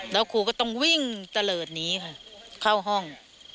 แล้วครูก็ต้องวิ่งตะเลิศนี้ค่ะเข้าห้อง